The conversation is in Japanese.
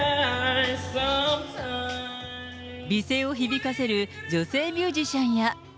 美声を響かせる女性ミュージシャンや。